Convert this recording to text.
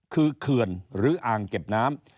คือเขื่อนหรืออ่างเก็บน้ำ